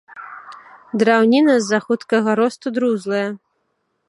Драўніна з-за хуткага росту друзлая.